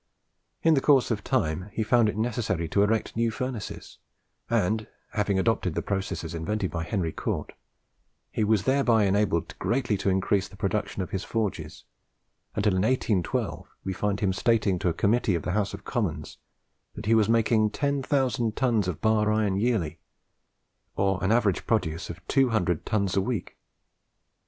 In course of time he found it necessary to erect new furnaces, and, having adopted the processes invented by Henry Cort, he was thereby enabled greatly to increase the production of his forges, until in 1812 we find him stating to a committee of the House of Commons that he was making ten thousand tons of bar iron yearly, or an average produce of two hundred tons a week.